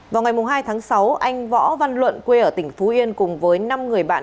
vào ngày hai tháng sáu anh võ văn luận quê ở tỉnh phú yên cùng với năm người bạn